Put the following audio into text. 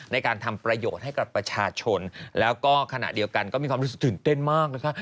ในการทำประโยชน์ให้กับประชาชนแล้วก็ขณะเดียวกันก็มีความรู้สึกตื่นเต้นมากนะคะ